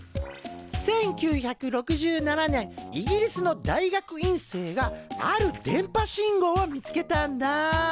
１９６７年イギリスの大学院生がある電波信号を見つけたんだ。